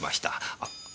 あっ！